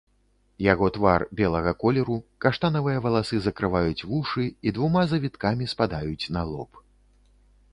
Яго твар белага колеру, каштанавыя валасы закрываюць вушы і двума завіткамі спадаюць на лоб.